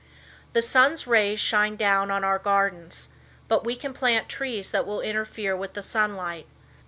The sun's rays shine down on our gardens, but we can plant trees that will interfere with the sun light.